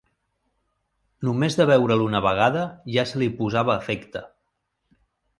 No més de veure-l una vegada ja se li posava afecte.